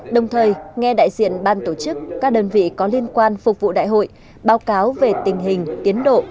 đồng thời nghe đại diện ban tổ chức các đơn vị có liên quan phục vụ đại hội báo cáo về tình hình tiến độ